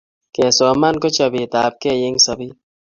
kesoman ko chapet apkei eng sapet